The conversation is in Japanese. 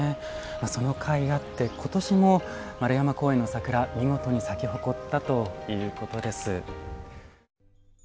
そのかいあって今年も円山公園の桜見事に咲き誇ったということです。